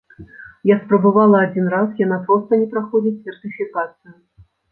Я спрабавала адзін раз, яна проста не праходзіць сертыфікацыю.